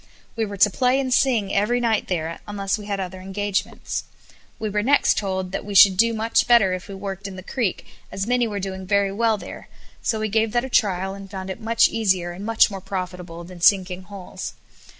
We were to play and sing every night there, unless we had other engagements. We were next told that we should do much better if we worked in the creek, as many were doing very well there, so we gave that a trial, and found it much easier, and much more profitable than sinking holes.